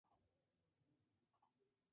Habita en Namibia, Zambia y Botsuana.